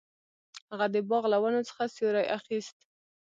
هغه د باغ له ونو څخه سیوری اخیست.